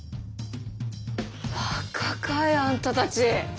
バカかいあんたたち。